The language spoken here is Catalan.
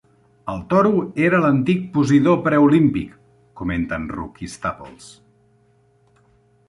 "El toro era l'antic Posidó preolímpic", comenten Ruck i Staples.